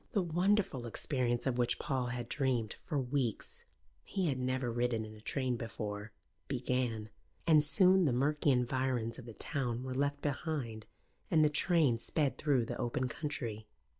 The wonderful experience of which Paul had dreamed for weeks he had never ridden in a train before began; and soon the murky environs of the town were left behind and the train sped through the open country.